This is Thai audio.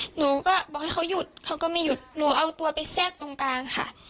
หนูก็บอกให้เขาหยุดเขาก็ไม่หยุดหนูเอาตัวไปแทรกตรงกลางค่ะ